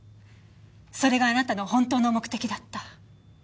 それがあなたの本当の目的だった。